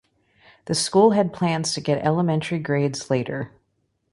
The school had plans to get elementary grades later.